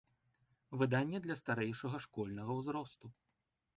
Выданне для старэйшага школьнага ўзросту.